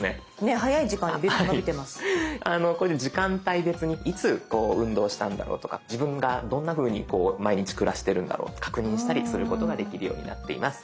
これで時間帯別にいつこう運動したんだろうとか自分がどんなふうにこう毎日暮らしてるんだろう確認したりすることができるようになっています。